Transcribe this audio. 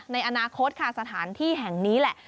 ในอนาคตค่ะสถานที่แห่งนี้แหละ